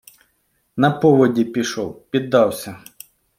- На поводі пішов, піддався...